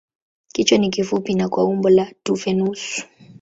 Kichwa ni kifupi na kwa umbo la tufe nusu.